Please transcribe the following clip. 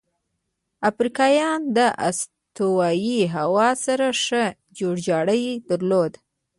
افریقایان د استوایي هوا سره ښه جوړجاړی درلود.